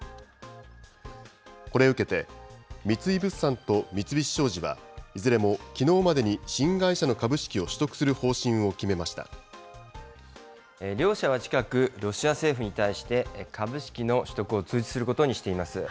これを受けて、三井物産と三菱商事は、いずれもきのうまでに新会社の株式を取得する方針を決めま両社は近く、ロシア政府に対して、株式の取得を通知することにしています。